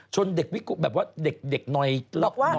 ชนเด็กวิกแบบว่าเด็กนอยไปเลย